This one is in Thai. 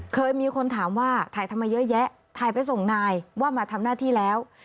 เคยมีคนถามว่าถ่ายทำไมเยอะแยะถ่ายไปส่งนายว่ามาทำหน้าที่แล้ว